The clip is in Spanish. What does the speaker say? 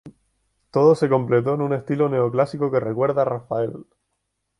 Todo se completó en un estilo neoclásico que recuerda a Rafael.